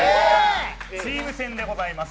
チーム戦でございます。